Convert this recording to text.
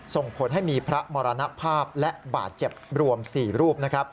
ส่งผลให้มีพระมรณภาพและบาดเจ็บรวม๔รูป